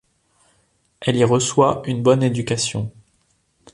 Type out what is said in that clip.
Elle y reçoit une bonne éducation.